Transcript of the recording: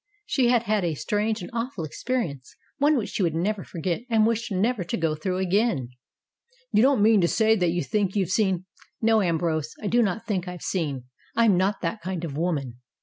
She had had a strange and awful experience, one which she would never forget, and wished never to go through again. "You don't mean to say that you think you've seen " "No, Ambrose, I do not think I've seen. I am not that kind of woman.